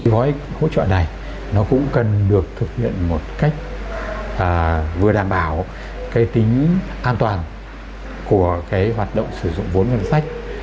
với hỗ trợ này nó cũng cần được thực hiện một cách vừa đảm bảo cái tính an toàn của cái hoạt động sử dụng vốn ngân sách